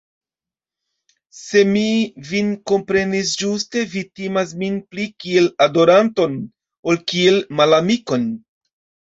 Se mi vin komprenis ĝuste, vi timas min pli kiel adoranton, ol kiel malamikon.